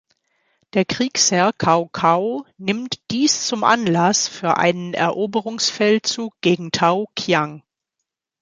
Der Kriegsherr Cao Cao nimmt dies zum Anlass für einen Eroberungsfeldzug gegen Tao Qian.